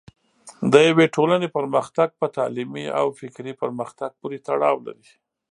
د یوې ټولنې پرمختګ په تعلیمي او فکري پرمختګ پورې تړاو لري.